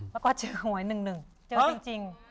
แล้วก็เจอหวย๑๑เจอจริง